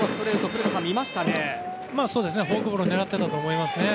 フォークボールを狙っていたと思いますね。